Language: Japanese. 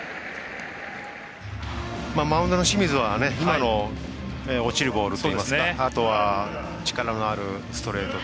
マウンドの清水は今の落ちるボールといいますかあとは、力のあるストレート。